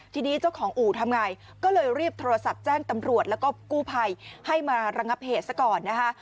ทีนี้เจ้าของอู่ทำไงก็เลยรีบโทรศัพท์แจ้งตำรวจแล้วก็กู้ภัยให้มาระงับเหตุซะก่อนนะคะ